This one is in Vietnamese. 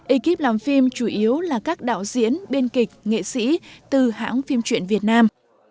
ekip làm phim chủ yếu là các đạo diễn biên kịch nghệ sĩ từ hãng phim truyện việt nam